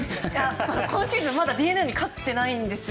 今シーズンは、まだＤｅＮＡに勝ってないんですよ。